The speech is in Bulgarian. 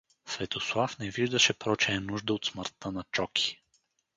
Светослав не виждаше прочее нужда от смъртта на Чоки.